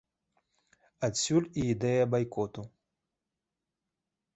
Адсюль і ідэя байкоту.